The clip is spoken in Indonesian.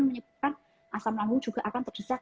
menyebabkan asam lambung juga akan terdesak